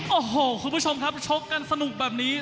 โอ้โหคุณผู้ชมครับชกกันสนุกแบบนี้